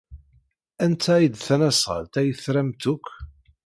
Anta ay d tasnasɣalt ay tramt akk?